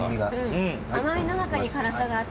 甘味の中に辛さがあって。